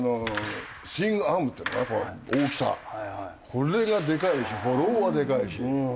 これがでかいしフォローはでかいし。